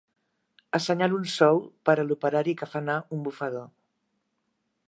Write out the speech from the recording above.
Assenyalo un sou per a l'operari que fa anar un bufador.